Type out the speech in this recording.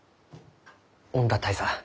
恩田大佐